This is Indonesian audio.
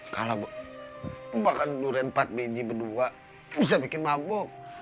kalau makan durian empat biji berdua bisa bikin mabuk